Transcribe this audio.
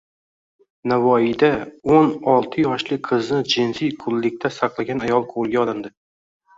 Navoiydao´n oltiyoshli qizni jinsiy qullikda saqlagan ayol qo‘lga olindi